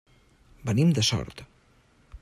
Venim de Sort.